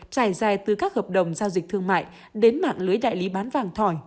trải dài từ các hợp đồng giao dịch thương mại đến mạng lưới đại lý bán vàng thỏi